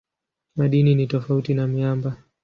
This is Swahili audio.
Madini ni tofauti na miamba.